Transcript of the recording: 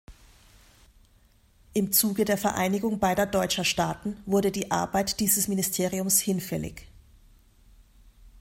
Im Zuge der Vereinigung beider deutscher Staaten wurde die Arbeit dieses Ministeriums hinfällig.